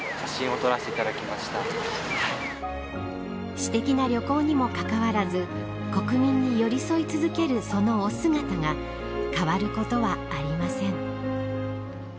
私的な旅行にもかかわらず国民に寄り添い続けるそのお姿が変わることはありません。